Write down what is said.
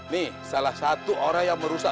nih salah satu orang yang merusak